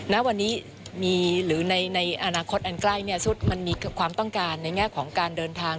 ณวันนี้มีหรือในอนาคตอันใกล้สุดมันมีความต้องการในแง่ของการเดินทาง